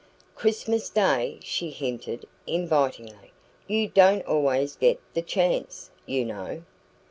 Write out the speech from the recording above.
"Christmas Day," she hinted invitingly. "You don't always get the chance, you know."